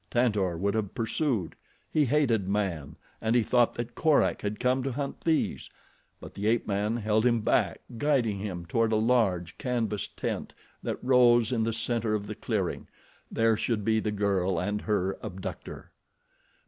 Tantor would have pursued. He hated man, and he thought that Korak had come to hunt these; but the ape man held him back, guiding him toward a large, canvas tent that rose in the center of the clearing—there should be the girl and her abductor.